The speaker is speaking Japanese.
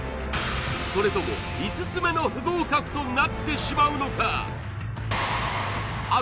それとも５つ目の不合格となってしまうのか？